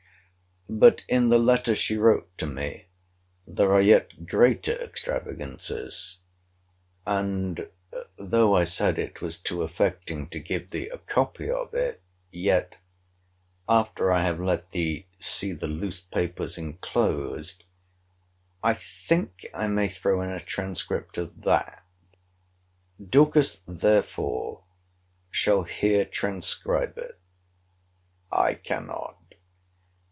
But, in the letter she wrote to me, there are yet greater extravagancies; and though I said it was too affecting to give thee a copy of it, yet, after I have let thee see the loose papers enclosed, I think I may throw in a transcript of that. Dorcas therefore shall here transcribe it. I cannot.